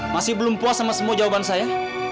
masih belum puas sama semua jawaban saya